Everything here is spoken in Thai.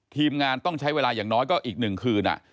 ทีมงานต้องใช้เวลาอย่างน้อยก็อีก๑คืน